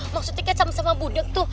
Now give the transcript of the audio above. maksudnya sama sama budeg tuh